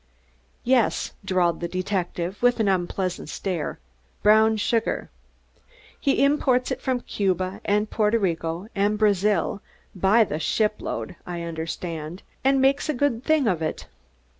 "Yes," drawled the detective, with an unpleasant stare, "brown sugar. He imports it from Cuba and Porto Rico and Brazil by the shipload, I understand, and makes a good thing of it."